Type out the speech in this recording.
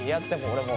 俺も。